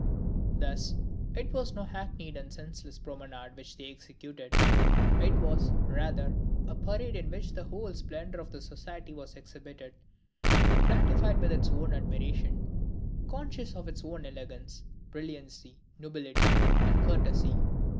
Thus, it was no hackneyed and senseless promenade which they executed; it was, rather, a parade in which the whole splendor of the society was exhibited, gratified with its own admiration, conscious of its own elegance, brilliancy, nobility and courtesy.